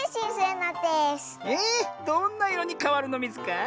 えどんないろにかわるのミズか？